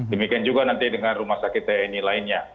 demikian juga nanti dengan rumah sakit tni lainnya